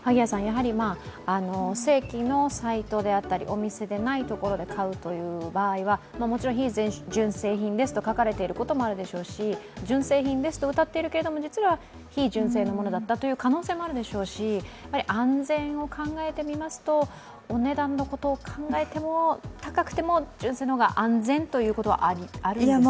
正規のサイトであったり、お店でないところで買という場合はもちろん非純正品ですと書かれていることもあるでしょうし、純正品ですとうたっているけれども実は非純正のものだったという可能性もあるでしょうし、安全を考えてみますと、お値段のことを考えても、高くても純正の方が安全ということはあるんですかね。